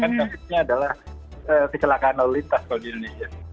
dan maksudnya adalah kecelakaan lalu lintas kalau di indonesia